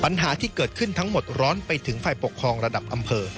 ปัญหาที่เกิดขึ้นทั้งหมดร้อนไปถึงฝ่ายปกครองระดับอำเภอ